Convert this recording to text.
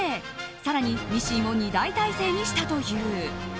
更に、ミシンを２台態勢にしたという。